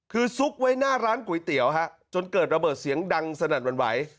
คือซุกไว้หน้าร้านก๋วยเตี๋ยวฮะจนเกิดระเบิดเสียงดังสนั่นหวั่นไหว